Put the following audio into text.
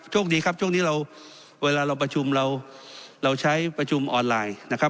โชคดีครับเวลาเราประชุมเราใช้ประชุมออนไลน์นะครับ